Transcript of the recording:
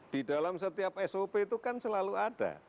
di dalam setiap sop itu kan selalu ada